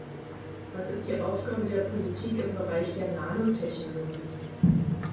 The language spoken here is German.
Was ist die Aufgabe der Politik im Bereich der Nanotechnologie?